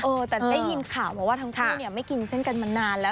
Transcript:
แต่ได้ยินข่าวมาว่าทั้งคู่เนี่ยไม่กินเส้นกันมานานแล้ว